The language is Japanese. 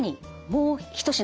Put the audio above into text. もう一品。